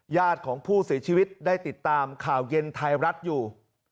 ญาติของผู้เสียชีวิตได้ติดตามข่าวเย็นไทยรัฐอยู่